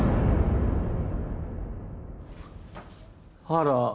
あら。